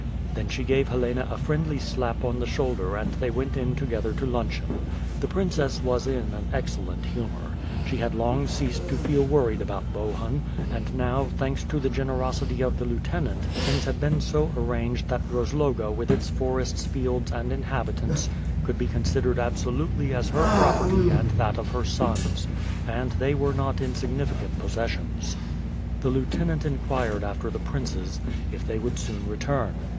Then she gave Helena a friendly slap on the shoulder and they went in together to luncheon. The princess was in an excellent humor. She had long ceased to feel worried about Bohun, and now, thanks* to the generosity of the lieutenant, things had been so ar ranged that Rozloga with its forests, fields and inhabitants, could be considered absolutely as her property and that of her sons. And they were not insignificant possessions. The lieutenant inquired after the princes; if they would soon return.